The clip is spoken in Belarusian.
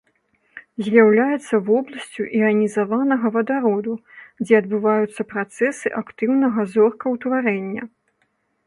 З'яўляецца вобласцю іанізаванага вадароду, дзе адбываюцца працэсы актыўнага зоркаўтварэння.